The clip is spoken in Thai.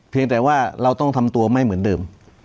แต่ว่าเราต้องทำตัวไม่เหมือนเดิม